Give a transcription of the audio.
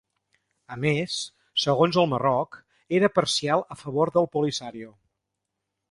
A més, segons el Marroc, era parcial a favor del Polisario.